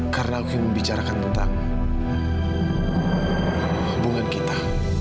karena aku ingin membicarakan tentang hubungan kita